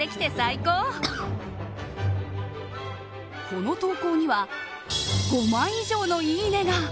この投稿には５万以上のいいねが。